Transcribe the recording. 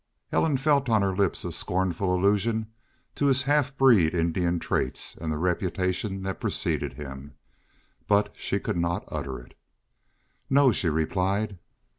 Ellen felt on her lips a scornful allusion to his half breed Indian traits and the reputation that had preceded him. But she could not utter it. "No," she replied.